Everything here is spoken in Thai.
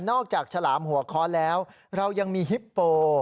ฉลามหัวค้อนแล้วเรายังมีฮิปโป